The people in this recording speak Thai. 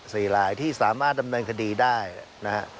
สี่ลายที่สามารถดำเนินคดีได้นะครับ